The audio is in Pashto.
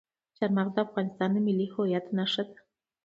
چار مغز د افغانستان د ملي هویت نښه ده.